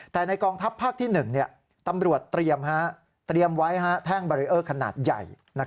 แต่ในกองทัพภาคที่๑ตำรวจเตรียมไว้แท่งบารีเออร์ขนาดใหญ่